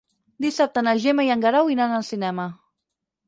Dissabte na Gemma i en Guerau iran al cinema.